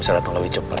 saya datang lebih cepat